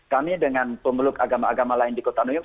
kami dengan pemeluk agama agama lain di kota new yor